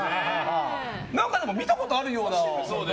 でも、見たことあるような。